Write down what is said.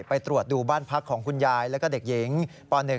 ไปตรวจดูบ้านพักของคุณยายแล้วก็เด็กหญิงป๑